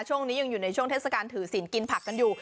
ช่วงนี้ยังอยู่ในช่วงเทศกาลถือศีลกินผักกันอยู่